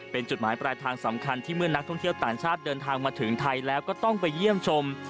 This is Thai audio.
เป็นจุดหมายปลายทางสำคัญที่เมื่อนักท่องเที่ยวต่างชาติเดินทางมาถึงไทยแล้วก็ต้องไปเยี่ยมชม